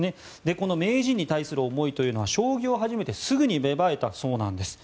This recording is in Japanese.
この名人に対する思いというのは将棋を始めてすぐに芽生えたそうなんです。